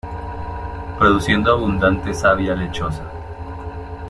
Produciendo abundante savia lechosa.